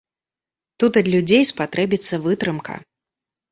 Тут ад людзей спатрэбіцца вытрымка.